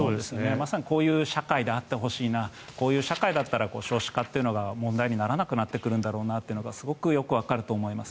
まさにこういう社会であってほしいなこういう社会だったら少子化というのは問題にならなくなってくるんだろうなというのがすごくよくわかると思います。